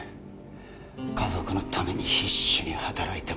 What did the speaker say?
家族のために必死に働いても